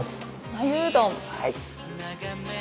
繭うどん。